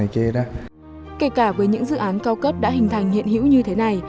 kể cả với những dự án cao cấp đã hình thành hiện hữu như thế này